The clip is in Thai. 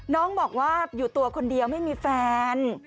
น้องบอกว่าอยู่ตัวคนเดียวไม่มีแฟน